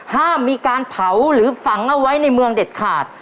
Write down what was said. ห้ามมีการเผาหรือฝังเอาไว้ในเมืองเด็ดขาด